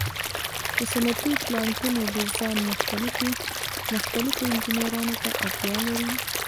د صنعتي پلانټونو ډیزاین مختلفو انجینرانو ته اړتیا لري.